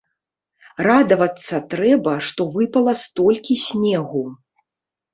Радавацца трэба, што выпала столькі снегу.